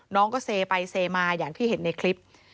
น้องก็เซไปเซมาอย่างที่เห็นในคลิป